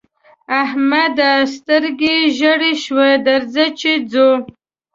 احمده! سترګه ژړه شوه؛ درځه چې ځو.